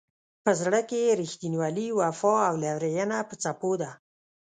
په زړه کې یې رښتینولي، وفا او لورینه په څپو ده.